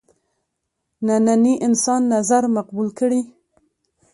ننني انسان نظر مقبول کړي.